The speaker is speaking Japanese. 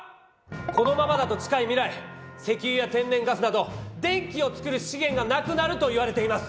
このままだと近い未来石油や天然ガスなど電気を作る資源が無くなるといわれています！